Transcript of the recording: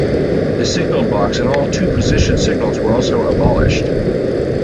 The signal box and all two position signals were also abolished.